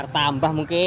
nanti kita mau tugas